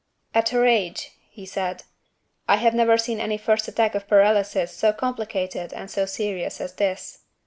"At her age," he said, "I have never seen any first attack of paralysis so complicated and so serious as this."